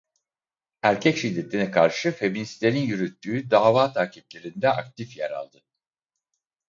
Erkek şiddetine karşı feministlerin yürüttüğü dava takiplerinde aktif yer aldı.